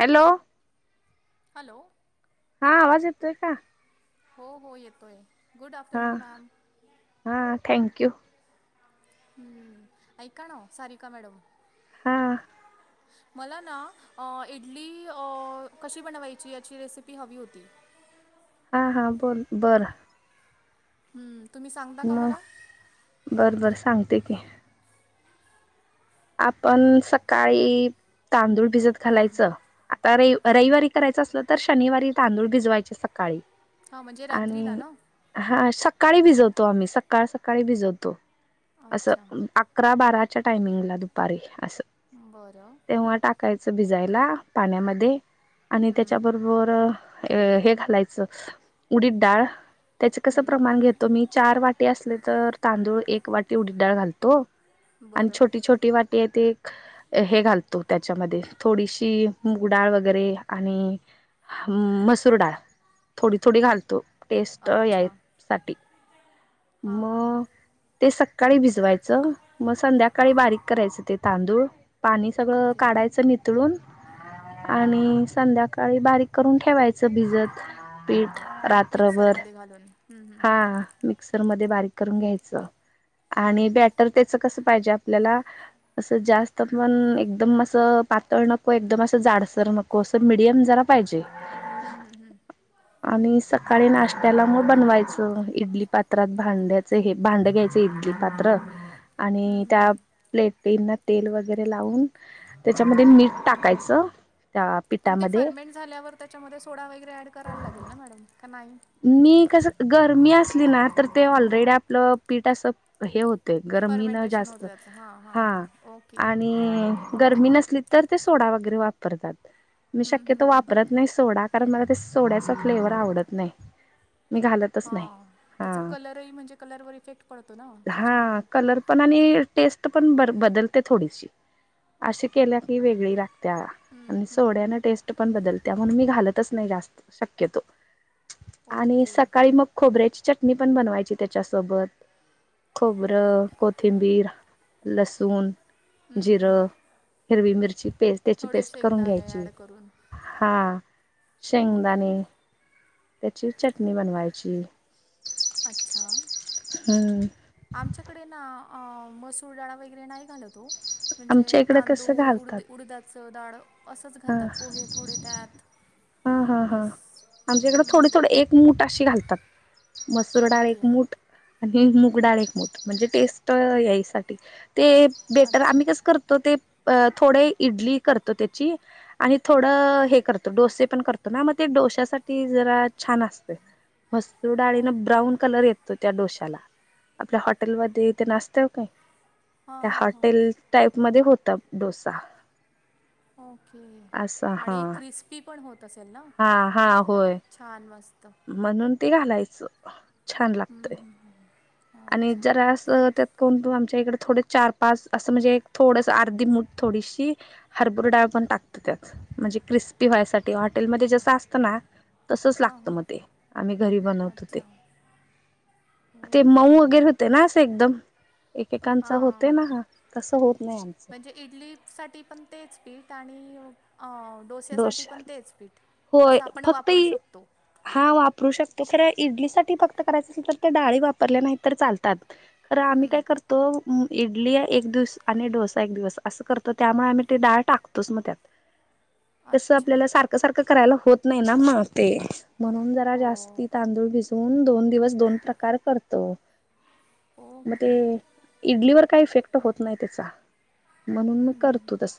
Hello, hello हा आवाज येतोय का? हो -हो येतोय गुड आफ्टरनून हा- मॅम हा थँक्यू हम्म ऐका ना सारिका मॅडम हा मला ना इडली कशी बनवायची याची रेसिपी हवी होती [inaudible] हा हा बोल बरं हम्म ह बरं बर सांगते की आपण सकाळी तांदूळ भिजत घालायचं आता रे रविवारी करायचं असलं तर शनिवारी तांदूळ भिजवायचे सकाळी हां म्हणजे रात्रीला आणि ना हा सकाळी भिजवतो आम्ही सकाळ सकाळी भिजवतो अच्छा असं अकरा बाराच्या टायमिंगला दुपारी असं बरं तेव्हा टाकायचं भिजायला पाण्यामध्ये आणि त्याच्याबरोबर हे घालायचं उडीत डाळ त्याचे कसं प्रमाण घेतो मी चार वाटी असले तर तांदूळ एक वाटी उडी डाळ घालतो आणि बरं छोटी छोटी वाट ते हे घालतो त्याच्यामध्ये थोडीशी मुगडाळ वगैरे आणि मसूर डाळ थोडी थोडी घालतो टेस्ट अच्छा यायसाठी हां हां हां मग ते स काळी भिजवायचं मग संध्याकाळी बारीक करायचं ते तांदूळ पाणी सगळं ओके काढायचं निितळून आणि संध्याकाळी बारीक करून ठेवायचं भिजत पीठ रात्रभर मिक्सरमध्ये घालून हम्म हम्म हम्म ब घ हं. हं, ब पाजे आपल्याला अस जास्त पण एकदम अस पातळ नकदम अस सर नको असर मिीडियम झाला पाहिजे हं, हं, हं. आणि सकाळी नाश्त्याला मग बनवायचं इडली पात्रात भांड्याचं हे भांड घ्यायचं इथक पात्र हं, आणि हं, त्या हं. प्लेट पी तेल वगैरे लावून त्याच्यामध्ये मीठ टाकायचं त्या पण ते पिठामध्ये फर्मेंट झाल्यावर त्याच्यामध्ये सोडा वगैरे ऍड करायला लागेल ना मॅडम का नाही मी कस गरमी असली ना तर ते ऑलरेडी आपलं पीठ असं हे होत ते गरमी ना फर्मेंटेशन होतं जास्त त्याचं हां हां हा हां ओके आणि हम्म, गरमी नसली तर ते सोडा वगैरे वापर वापरतात मी हम्म, शक्यतो वापरत नाही सोडा कारण मला ते सोड्याचा फ्लेवर आवडत नाही मी घालतच हा नाही. हा त्याचा कलरही म्हणजे कलर व इफेक्ट पडतो ना त्याच्यामुळे हा कलर पण आणि टेस्ट पण बदलते थोडीशी अशी केल्या की वेगळी लागत हम्म, आणि हम्म. सोड्या टेस्ट पण बदल त्या म्हणून मी घालतच नाही जास्त शक्यतो आणि ओके सकाळी मग खोबऱ्याची चट मी पण बनवायची त्याच्यासोबत खोबरं कोथिंबीर लसूण जिरं हिरवी मिरची पेस्ट त्याची थोडे पेस्ट करून शेंगदाणे घ्यायची ॲड करून हा ओके शेंगदाणे त्याची चटणी बनवायची अच्छा हम्म आमच्याकडे ना मसूरडाळा वगैरे नाही घालतो म्हणजे आमच्या इकडं कसं तांदूळ उड घालतात. उडद्याचं डाळ अस तच हा घालतात पोहे थोडे त्यात हा हा हा बस आमच्याकडे थोडे हम्म, थोडे एक मूठ अशी घालतात मसूर डाळ ओके एकमूठ आणि मूग डाळ एकमूठ म्हणजे टेस्ट यायसाठी ते बेटर अच्छा आम्ही कसं करतो ते अ थोडे इडली करतो त्याची आणि थोडं हे करतो डोसे णतो ना मग डोश्यासाठी ज छान असते मसूर डाळी न ओके ब्राऊन कलर येतो त्या डोश्या त्या आपल्या हॉटेल म इथे नसत काही हां त्या हां हां हॉटेल टाईप म होत डोसा ओके असा हा आणि क्रिस्पी पण होत ल ना हा हा होय छान मस्त म्हणून ते घालायच हम्म हम् ह् आणि जरास त्यात कोण त आम इकडे थोडे चार पाच असं म्हणजे एक थोडस अर्धी मठ थोडीशी हरभू डाळ पण टकतात म्हणजे क्रिस्पी व्हाय हॉटेलमध्ये जस असत ना तसच हां लागत हां मग ते आम्ही घरी बनवत हो अच्छा ते ओके मऊ वगैरे होते ना असं एकदम एकेकांचा होते हां ना ह तस होत नाही आमचं तणी दोश होय असं आपण फक्त वापरू शकतो हा वापरू शकतो खरं इडली सा फक्त करायचं असेल तर ते डाळी वापरल्या नाही तर चालतात खरं आम्ही काय हं, करतो इडली एक दिवस आणि डोसा एक दिवस असं करतो त्यामुळे आम्ही ते डाळ टाकतोच मग त्यात हम् तस आपल्याला सारखं सारखं करायला होत नाही ना मग ते म्हणून जरा हो जास्ती तांदूळ भिजून दोन दिवस दोन प्रकार करतो मग ओके ते इडलीवर काही इफेक्ट होत नाही त्याचा म्हणून मी हं, करतो तस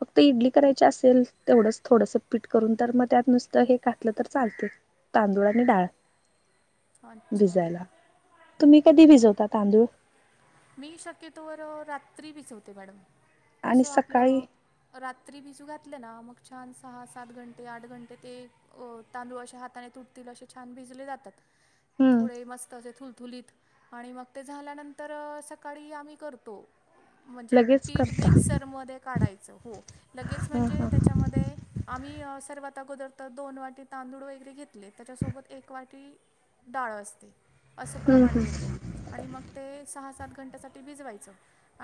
फक्त इडली करायची असेल तेवढंच थोडंस पीठ करून तर मग त्यात नुसतं हे खातलं तर चालते तांदूळ आणि डाळ ह भिजायला तुम्ही कधी भिजवता तांदूळ मी शक्यतोवर रात्री भिजवते मॅडम आणि कसं सकाळी आपलं रात्री भिजू घातलं ना मग छान सहा सात घंटे आठ घंटे ते तांदूळ अशा हाताने तुटतील असे छान भिजले जातात हम्म थोडे मस्त असचे थुल थुलीत आणि मग ते झाल्यानंतर सकाळी आम्ही करतो म्हणजे लगेच पीठ करता मिक्सरमध्ये काढायचं हो लगेच हा म्हणजे हा त्याच्यामध्ये आम्ही सर्वात अगोदर तर दोन वाटी तांदूळ वगैरे घेतले त्याच्यासोबत एक वाटी डाळ असते असं हम्म प्रमाण हम्म घेते आणि मग ते सहा सात घंट्या सा भिजवायचं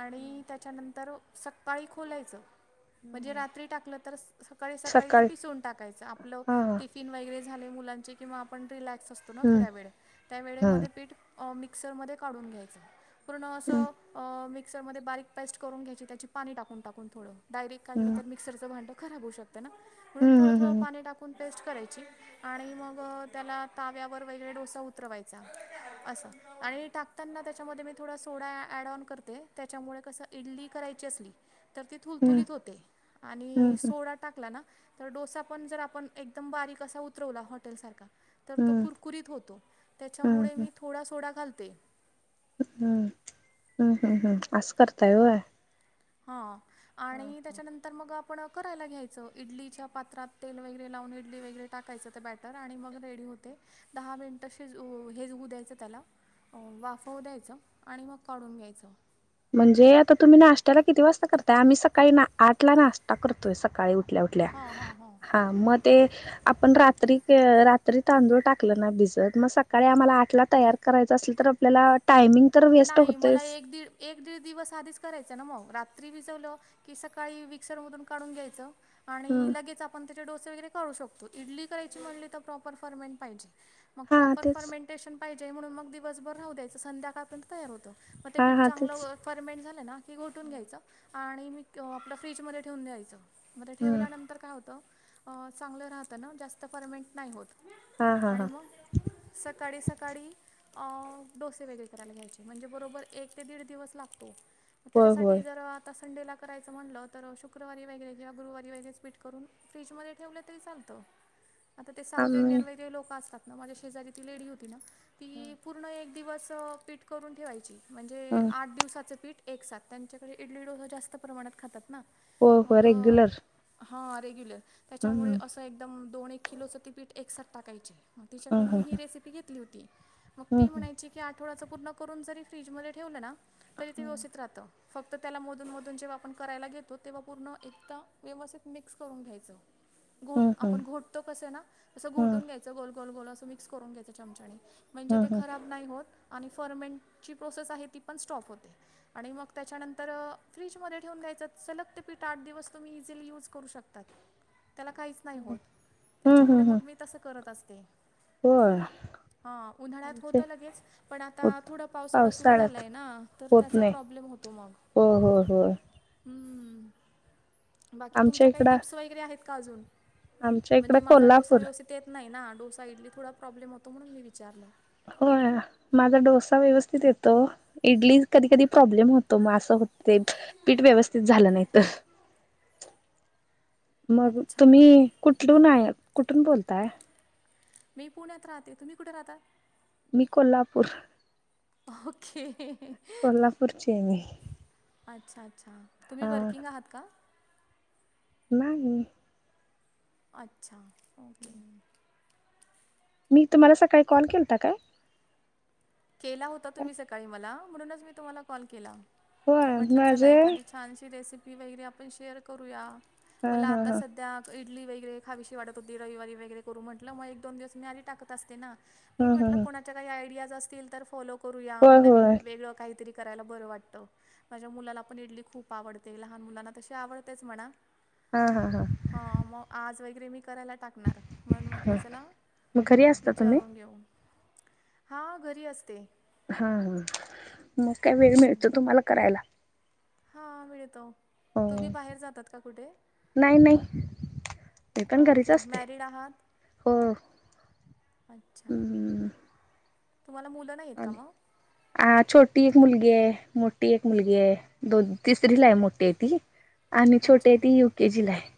आणि त्याच्यानंतर सकाकाळी खोलायचं म्हणजे रात्री टाकलं तर सकाळी सकाळी ते पिसून टाकायच आपलं हा टिफिन वगैरे झाले मुलांचे किंवा आपण रिलॅक्स असतो ना हम्म थोड्या वेळ त्या वेळे हम्म मध्ये पीठ मिक्सरमध्ये काढून घ्यायचं पूर्ण अस अस मिक्सरमध्ये बारीक पस्ट करून घ्यायची त्या पाणी टकून टाकून थोड डायरेट काढलं हम्म तर मिक्सरं भांडं खरा हो शकं म्हण थडं हम्म थोडं पाणी टाकून पेस्ट करायची आणि म त्याला ता वर वेग डोसा उतरवायचा. अस आणि टाकताना त्याच्यामध्ये मी थोडा सोडा ऑडऑन करते त्याच्यामुळे कस इडली करा. करायची असली तर ती थुल हम्म थुलीत होते हम्म आणि हम्म सोड टाकला ना. तर डोसा पण जर आपण एक बारीक अस उतरवला हॉटेल सारखा तर तो हम्म कुर होतो हम्म त्यामुळे मी थोडा सोडा घालते. हम्म, हम्म, हम्म, हम्म असं करता होय. हा आणि त्याच्यानंतर मग. आपण करायला घ्यायचं इडलीच्या पात्रात तेल वगैरे लावून इडली वगैरे टाकायचं ते बॅटर आणि मग रेडी. होते दहा मिनिट हे हेऊ द्यायचं त्याला. अ वाफवं द्यायच आणि मग काढून घ्यायचं. म्हणजे आता तुम्ही नाश्त्याला किती वाजता करताय आम्ही सकाळी ना आठ ला नाश्ता करतोय सकाळी उठु उठल्या उठल्या हा हा हा मद ते आपण रात्री के रात्री तांदूळ टाकलं ना भिजत मग सकाळी आम्हाला आठला तयार कराय असल तर आपल्याला टायमिंग तर वेस्ट नाही मला होतयचं. एक दीड एक दीड दिवस आधीच करायचं ना मग रात्री भिजवलं की सकाळी मिक्सरमधून काढून घ्यायचं. आणि हम्म लगेच आपण त्याचे डोसे वगैरे करू शकतो इडली करायची म्हणली तर प्रॉपर फरमेन पाहिजे. मग हा प्रॉपर तेच फर्मेंटेशन पाहिजे म्हणून मग दिवसभर राहू द्यायच संध्याकाळपर्यंत तयार होतो. मग ते हा पीठ हा तेच चांगलं फर्मेंट झालं ना की गोटून घ्यायचं. आणि मी क आपलं फ्रीजमध्ये ठेवून द्यायचं म हम्म ठेवल्यानंतर काय होतं. अ चांगलं राहत ना जास्त परमनेंट नाही होत. हा हा आणि हा मग सकाळी सकाळी अ डोसे वगैरे करायला घ्यायचे. म्हणजे बरोबर एक ते दीड दिवस लागतो होय त्याच्यासाठी होय जर आत्ता. संडेला करायचं म्हणलं तर शुक्रवारी वगैरे किंवा गुरुवारी वगैरच पीठ करून फ्रीजमध्ये ठेवलं तरी चालतं. [inaudible] आता ते साऊथ आम्ही इंडियन वेगळे लोकं असतात ना माझ्या शेजारी ती लेडी होती ना ती पूर्ण एक दिवस अ पीठ करून ठेवायची म्हणजे ह आठ दिवसाचं पीठ एक साथ त्यांच्याकडे इडली डोसा जास्त प्रमाणात खातात. ना हो हो मग अ, रेग्युलर. हां रेग्युलर त्याच्यामुळे हम्म असं एकदम दोन एक किलोचं ते पीठ एकसाथ टाकायची. तिच्याकडून मी हम्म ही रेसिपी घेतली होती मग हम्म ती म्हणायची की आठवड्याचं पूर्ण करून जरी फ्रीज मध्ये ठेवलं ना तरी ते व्यवस्थित राहत. फक्त त्याला मधून मधून जेव्हा आपण करायला घेतो तेव्हा पूर्ण एकदा व्यवस्थित मिक्स करून घ्यायचं. घोट हम्म हम्म आपण घोटतो कस ना तसं हम्म घोटून घ्यायचं गोल गोल गोल असं मिक्स करून घ्यायचं चमच्याने. म्हणजे ते हम्म खराब नाही होत आणि पमेंटची प्रोसेस आहे ती पण स्टॉप होते आणि मग त्याच्यानंतर अ फ्रीजमध्ये ठेवून घ्यायचं. सलग ते पीठ आठ दिवस तुम्ही इझिली यूज करू शकतात. त्याला काहीच नाही होत हम्म त्याच्यामुळे हम्म हम्म मग मी तसं करत असते. होय हा उन्हाळ्यात होत आमचे लगेच पण आता. आता थोडा पावसावाळा सुरू पावसाळ्यात झालाय ना तर होत त्याचा नाही प्रॉब्लेम होतो मग. हो हो हो हम्म. बाकी आमच्या तुमच्या काही इकडं टिप्स वगैरे आहेत का अजून आमच्या इकडं म्हणजे माझा डोसा कोल्हापूर व्यवसतित येत नाही ना. डोसा इडली तर थोाडा प्रॉब्लेम होत म्हणून मी विचारल. होय माझा डोसा व्यवस्थित येतो इडली कधी कधी प्रॉब्लेम होतो म असं. ते पीठ व्यवस्थित झालं नाही तर. [inaudible] मग अच्छा तुम्ही कुठ लुन आहे कुठून बोलताय? मी पुण्यात राहते तुम्ही कुठे राहता? मी कोल्हापूर. अ ह [unintelligible] कोल्हापूरचे हाय मी. अच्छा-अच्छा तुम्ही हा वर्किंग आहात का? नाही. अच्छा. ओके हम्म [unintelligible] मी तुम्हाला सकाळी कॉल केलता काय? केला होता तुम्ही सकाळी मला. म्हणूनच मी तुम्हाला कॉल केला. होय म्हटलं चला. माझे एखादी छानशी रेसिपी वगैरे आपण शेअर करूया. हा मला हा आता हा सध्या ईटली वगैरे खावीशी वाटत होती. रविवारी वगैरे करू म्हटलं मग एक-दोन दिवस मी आधि टाकत असते ना. मग हम्म म्हटलं. हम्म कोणाच्या काही आयडियाज असतील तर फॉलो करूया. होय होय नवीन वेगळं काहीतरी. करायला बरं वाटत. माझ्या मुलाला पण इडली खूप आवडते. लहान मुलांना तशी आवडतेच म्हणा. हा हा हा मग आज वगैरे मी. करायला टाकणारण मग म्हणलं हा चला मग घरी असता तुम्ही? विचारून घेऊ. हा घरी असते. हा हा मग काय वेळ मिळतो. तुम्हाला करायला. हा मिळतो हो तू बी बाहेर जातात का कुठे? नाही नाही मी पण घरीच ओके असते. मॅरिड आहात? हो. अच्छा. हम्म तुम्हाला मुलं नाहीत का आणि मग? आ छोटी एक मुलगी आहे. मोठी एक मुलगी आहे. दोन-तिसरीला हाय मोठी आहे ती. आणि छोटी अच्छा ती यु. केे. जी. ला आहे.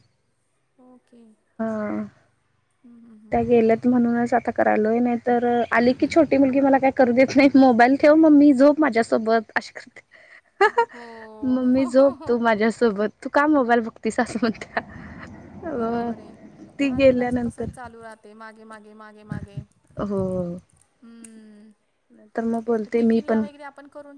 ओके हा हम्. त्या गेल्यात म्हणूनच आता करायलोय. नाही तर आली की छोटी मुलगी मला काय करू देत नाहीत. मोबाईल ठेवून मम्मी जोप माझ्यासोबत अशी करते. हो मम्मी झोप तू माझ्यासोबत. तू का मोबाईल बघतीस अस म्हणत्या. बरोबर आहे. ती लहान मुलांच तसच गेल्यानंतर चालू राहते माझ मागे-मागे-मागे हम्म. नाही तर मग बोलते मी पण.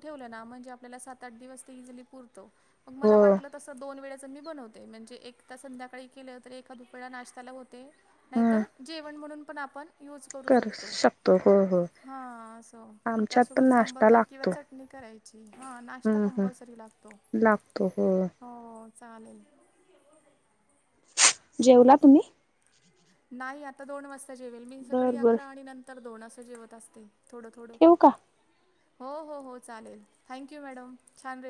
घेऊन ये ना. आपल्याला सात सात-आठ दिवस इजिली पुरतो. मग हो मला वाटलं तसं दोन वेळेत च बनवते म्हणजे एकदा संध्याकाळी केल तर एका दुपळ्या नाश्त्याला होतय. नाहीतर जेवण म्हणून पण आपण कर शकतो हो. हो हा असं मग आमच्यात पण त्यासोबत नाश्ता सांबरद किंवा लागतो चटणी करायची. हा नाश्ता हम्म हम्म कंपलसरी लागतो हो. चालेल. जेवला तुम्ही? नाही आता दोन वाजता जेवेल मी. सकाळी बर बर अकरा आणि नंतर दोन असं जेवत असते. थोड-थोड हो. ठेवू का? हो. हो चालेल. थँक यू मॅडम छान